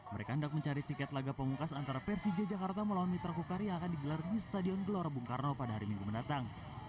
mereka hendak mencari tiket laga pemungkas antara persija jakarta melawan mitra kukar yang akan digelar di stadion gelora bung karno pada hari minggu mendatang